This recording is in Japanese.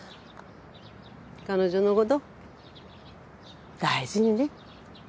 彼女の事大事にね。